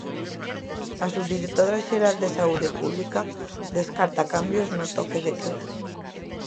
A subdirectora xeral de saúde pública descarta cambios no toque de queda.